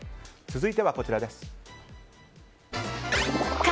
続いてはこちらです。